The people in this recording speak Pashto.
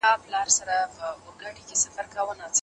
تاسو کولای شئ چې مېوې په وچو او یخو خونو کې وساتئ.